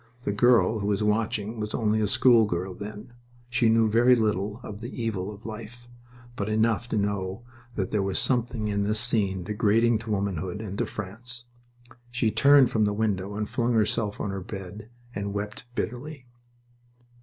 The girl who was watching was only a schoolgirl then. She knew very little of the evil of life, but enough to know that there was something in this scene degrading to womanhood and to France. She turned from the window and flung herself on her bed and wept bitterly...